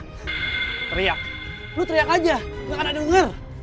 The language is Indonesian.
teriak lu teriak aja gak ada denger